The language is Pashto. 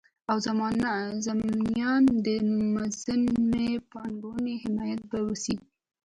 او ضمنان د منظمي پانګوني حمایت به وسي